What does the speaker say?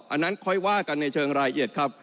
อันนั้นค่อยว่ากันในเชิงรายละเอียดครับ